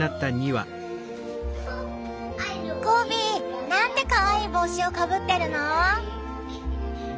ゴビなんてかわいい帽子をかぶってるの。